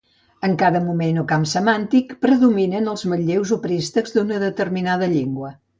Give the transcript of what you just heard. En cada moment o camp semàntic predominen els manlleus o préstecs d'una determinada llengua.